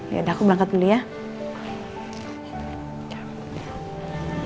yaudah aku berangkat dulu ya